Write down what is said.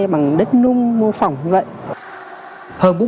bằng đất nung mô phỏng như vậy